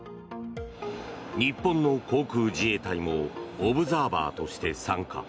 日本の航空自衛隊もオブザーバーとして参加。